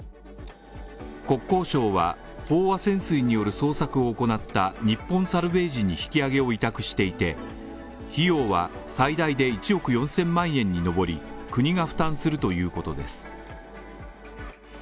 国交省は、飽和潜水による捜索を行った日本サルヴェージに引き揚げを委託していて、費用は最大で１億４０００万円に上り、国が負担するということです。